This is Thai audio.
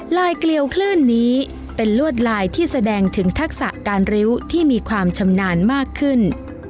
เกลียวคลื่นนี้เป็นลวดลายที่แสดงถึงทักษะการริ้วที่มีความชำนาญมากขึ้น